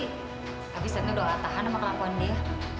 tapi saya tuh doa tahan sama kelakuan dia